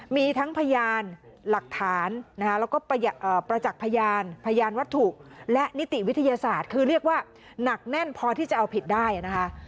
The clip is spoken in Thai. มีทั้งพยานหลักฐานนะคะแล้วก็ประจักษ์พยานพยานวัตถุและนิติวิทยาศาสตร์คือเรียกว่าหนักแน่นพอที่จะเอาผิดได้นะคะ